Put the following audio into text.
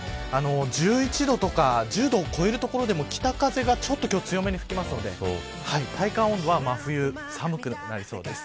１１度とか１０度を超える所でも北風がちょっと強めに吹いていますので体感温度は真冬で寒くなりそうです。